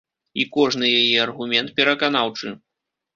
І кожны яе аргумент пераканаўчы.